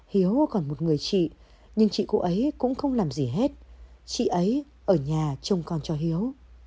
hiếu còn một người chị nhưng chị cô ấy cũng không làm gì hết chị ấy ở nhà trông con cho hiếu